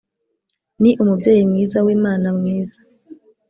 ni umubyeyi mwiza wimana mwiza